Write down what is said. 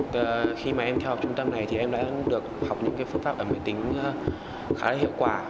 khi mà em theo học trung tâm này thì em đã được học những phương pháp ở máy tính khá là hiệu quả